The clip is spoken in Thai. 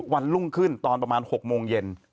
วันรุ่งขึ้นตอนประมาณ๖โมงเย็น